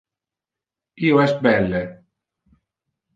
Io es belle.